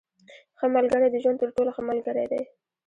• ښه ملګری د ژوند تر ټولو ښه ملګری دی.